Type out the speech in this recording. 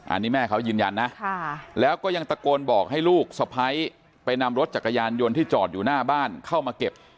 อันนี้แม่เขายืนยันนะแล้วก็ยังตะโกนบอกให้ลูกสะพ้ายไปนำรถจักรยานยนต์ที่จอดอยู่หน้าบ้านเข้ามาเก็บ